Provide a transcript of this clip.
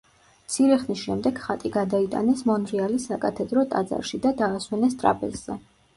მცირე ხნის შემდეგ ხატი გადაიტანეს მონრეალის საკათედრო ტაძარში და დაასვენეს ტრაპეზზე.